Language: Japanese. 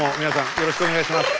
よろしくお願いします。